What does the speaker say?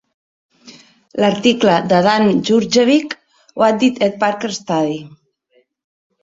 L'article de Dan Djurdjevic "What did Ed Parker Study?"